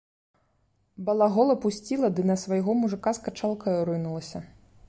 Балагола пусціла ды на свайго мужыка з качалкаю рынулася.